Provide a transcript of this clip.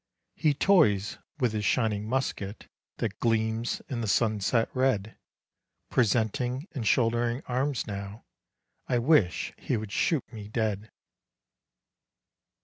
He toys with his shining musket That gleams in the sunset red, Presenting and shouldering arms now I wish he would shoot me dead.